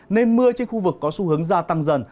nên mưa trên khu vực có xu hướng gia tăng dần